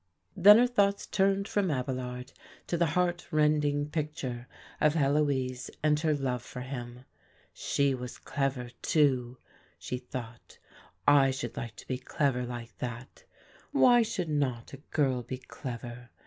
Then her thoughts turned from Abelard to the heart rending picture of Heloise and her love for him. "She was clever, too," she thought, "I should like to be clever like that. Why should not a girl be clever?